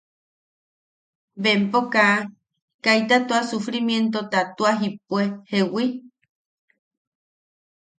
Bempo kaa... kaita tua sufrimientota tua jippue. ¿Jeewi?